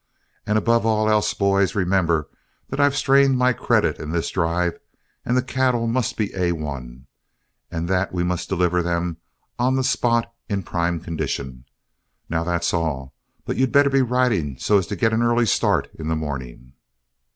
And above all else, boys, remember that I've strained my credit in this drive, and that the cattle must be A 1, and that we must deliver them on the spot in prime condition. Now, that's all, but you'd better be riding so as to get an early start in the morning."